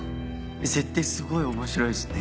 設定すごい面白いですね。